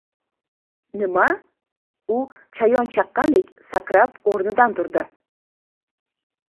Nima?! - U chayon chaqqandek sakrab o'midan turdi.